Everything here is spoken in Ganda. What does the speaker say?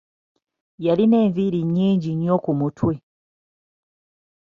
Yalina enviiri nnyingi nnyo ku mutwe.